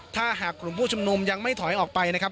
ถ้าหากกลุ่มผู้ชุมนุมยังไม่ถอยออกไปนะครับ